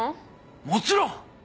もちろん！